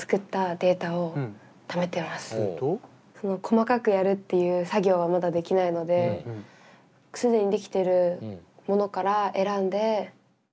細かくやるっていう作業はまだできないので既に出来てるものから選んで。